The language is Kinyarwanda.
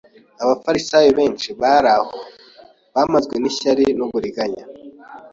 Abafarisayo benshi bari aho, bamazwe n'ishyari n'uburiganya,